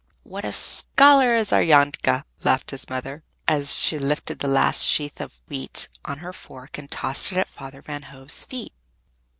"What a scholar is our Janke!" laughed his mother, as she lifted the last sheaf of wheat on her fork and tossed it at Father Van Hove's feet.